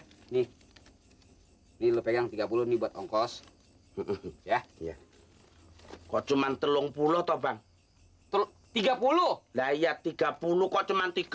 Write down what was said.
hai ilu pengen tiga puluh nih buat ongkos ya kok cuman telung pulau tobang tiga puluh layak tiga puluh kok cuman tiga puluh